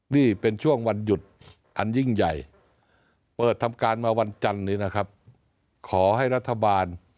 นี่เป็นช่วงวันหยุดอันยิ่งใหญ่เปิดทำการมาวันจันทร์นี้นะครับขอให้รัฐบาล